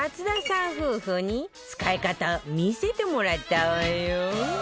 夫婦に使い方を見せてもらったわよ